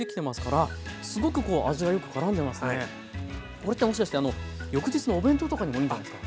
これってもしかして翌日のお弁当とかにもいいんじゃないですか？